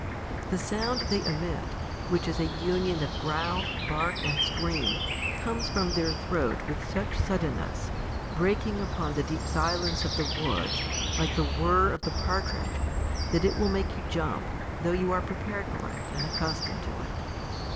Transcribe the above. The sound they emit, which is a union of growl, bark, and scream, comes from their throat with such suddenness, breaking upon the deep silence of the woods, like the whirr of the partridge, that it will make you jump, though you are prepared for it and accustomed to it.